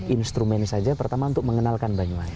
instrumen saja pertama untuk mengenalkan banyuwangi